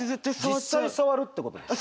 実際触るってことですか？